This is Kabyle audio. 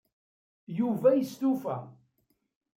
Yuba yestufa.